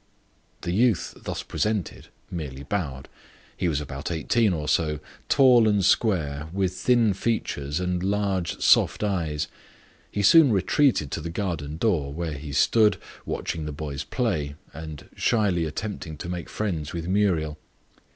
The youth thus presented merely bowed. He was about eighteen or so, tall and spare, with thin features and large soft eyes. He soon retreated to the garden door, where he stood, watching the boys play, and shyly attempting to make friends with Muriel.